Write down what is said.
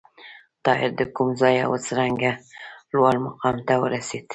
طاهر د کوم ځای و او څرنګه لوړ مقام ته ورسېد؟